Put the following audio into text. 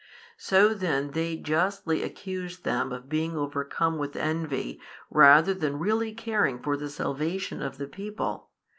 So then they justly accuse them of being overcome with envy rather than really caring for the salvation of the people.